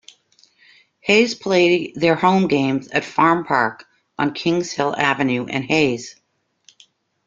Hayes play their home games at Farm Park on Kingshill Avenue in Hayes.